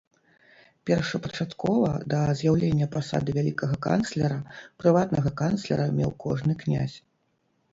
Першапачаткова, да з'яўлення пасады вялікага канцлера, прыватнага канцлера меў кожны князь.